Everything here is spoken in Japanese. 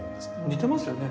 似てますよね。